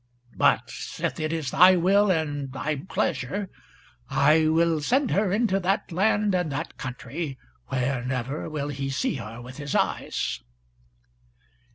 But, sith it is thy will and thy pleasure, I will send her into that land and that country where never will he see her with his eyes."